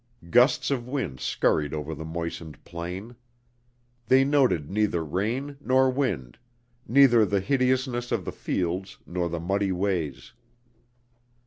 Gusts of wind scurried over the moistened plain. They noted neither rain nor wind, neither the hideousness of the fields nor the muddy ways.